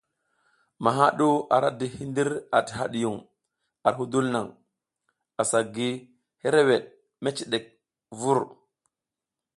Maha ɗu ara di hindir ati hadiyun ar hudul naŋ, asa gi hereweɗ meciɗek vur.